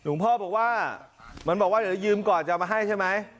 หลวงพ่อบอกว่าเดี๋ยวจะยืมก่อนจะมาให้ใช่ไหม